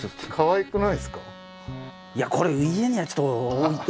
いやこれ家にはちょっと置いて。